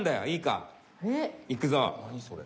いいか。いくぞ。